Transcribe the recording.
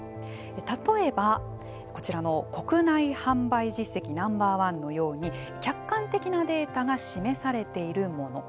例えば、こちらの国内販売実績Ｎｏ．１のように客観的なデータが示されているもの。